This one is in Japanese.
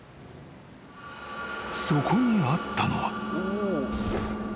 ［そこにあったのは］